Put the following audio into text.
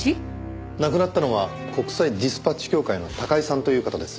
亡くなったのは国際ディスパッチ協会の高井さんという方です。